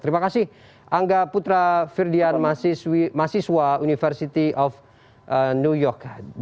terima kasih angga putra firdian mahasiswa university of new york